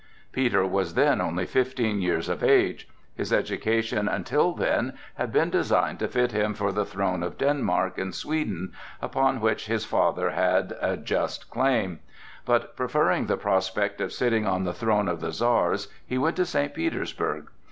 Peter was then only fifteen years of age. His education until then had been designed to fit him for the throne of Denmark and Sweden, upon which his father had a just claim; but preferring the prospect of sitting on the throne of the Czars, he went to St. Petersburg.